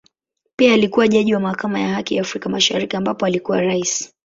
Pia alikua jaji wa Mahakama ya Haki ya Afrika Mashariki ambapo alikuwa Rais.